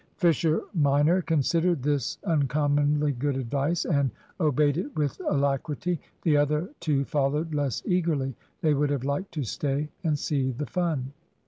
Fisher minor considered this uncommonly good advice, and obeyed it with alacrity. The other two followed less eagerly. They would have liked to stay and see the fun.